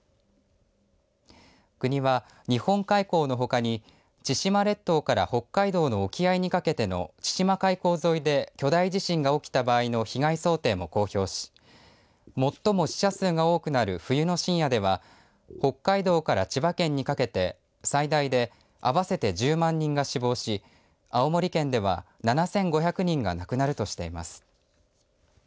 国は日本海溝のほかに千島列島から北海道の沖合にかけての千島海溝沿いで巨大地震が起きた場合の被害想定も公表し最も死者数が多くなる冬の深夜では北海道から千葉県にかけて最大で合わせて１０万人が死亡し青森県では７５００人が亡くなるとしています。